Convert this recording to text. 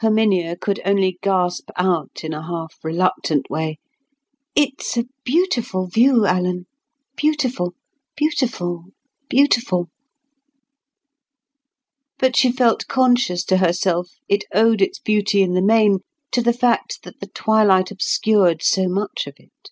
Herminia could only gasp out in a half reluctant way, "It's a beautiful view, Alan. Beautiful; beautiful; beautiful!" But she felt conscious to herself it owed its beauty in the main to the fact that the twilight obscured so much of it.